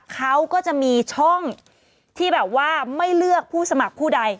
เขาก็จะมีช่องที่แบบว่าไม่เลือกผู้สมัครผู้ใด